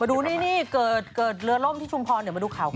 ดูนี่เกิดเรือล่มที่ชุมพรเดี๋ยวมาดูข่าวกัน